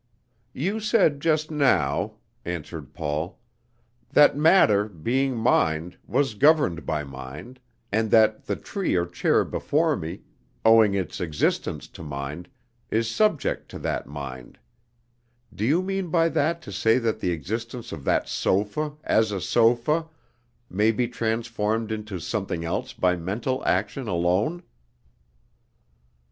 "You said just now," answered Paul, "that matter, being mind, was governed by mind, and that the tree or chair before me, owing its existence to mind, is subject to that mind; do you mean by that to say that the existence of that sofa, as a sofa, may be transformed into something else by mental action alone?"